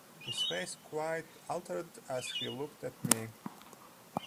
His face quite altered as he looked at me.